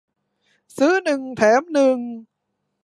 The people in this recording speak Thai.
ซื้อหนึ่งแถมหนึ่ง